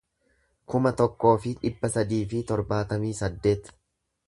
kuma tokkoo fi dhibba sadii fi torbaatamii saddeet